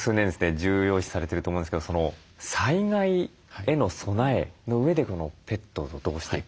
重要視されてると思うんですけど災害への備えのうえでペットとどうしていくか。